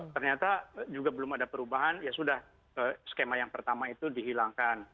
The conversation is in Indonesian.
ternyata juga belum ada perubahan ya sudah skema yang pertama itu dihilangkan